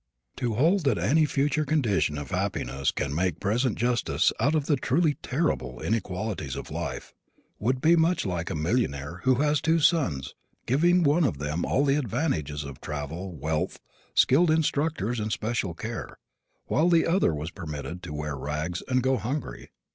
To hold that any future condition of happiness can make present justice out of the truly terrible inequalities of life, would be much like a millionaire who has two sons giving one of them all the advantages of wealth, travel, skilled instructors and special care, while the other was permitted to wear rags and go hungry.